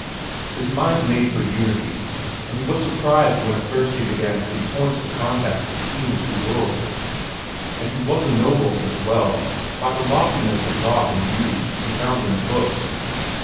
His mind made for unity, and he was surprised when at first he began to see points of contact between the two worlds. And he was ennobled, as well, by the loftiness of thought and beauty he found in the books.